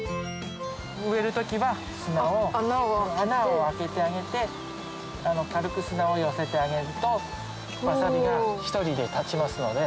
植える時は砂を穴を開けてあげて軽く砂を寄せてあげるとわさびが１人で立ちますので。